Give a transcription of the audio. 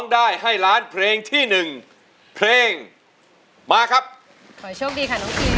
ได้ให้ล้านเพลงที่หนึ่งเพลงมาครับขอโชคดีค่ะน้องพีม